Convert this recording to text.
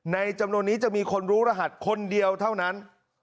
จำนวนนี้จะมีคนรู้รหัสคนเดียวเท่านั้น